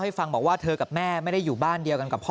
ฟังบอกว่าเธอกับแม่ไม่ได้อยู่บ้านเดียวกันกับพ่อ